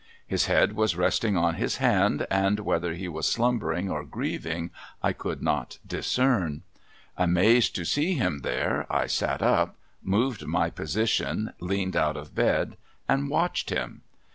His head was resting on his hand, and whether he was slumbering or grieving, I could not discern. Amazed to see him there, I sat up, moved my position, leaned out of bed, and watched him.